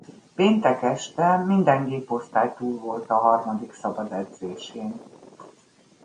Péntek este minden géposztály túl volt a harmadik szabadedzésén.